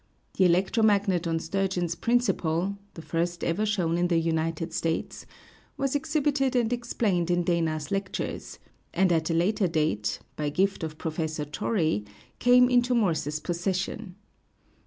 The electro magnet on Sturgeon's principle the first ever shown in the United States was exhibited and explained in Dana's lectures, and at a later date, by gift of Prof. Torrey, came into Morse's possession.